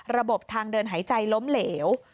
ระบบทางเดินหายใจล้มเหลว